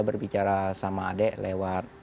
berbicara sama adik lewat